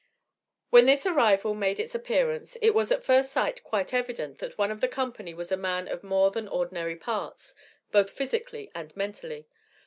When this arrival made its appearance, it was at first sight quite evident that one of the company was a man of more than ordinary parts, both physically and mentally.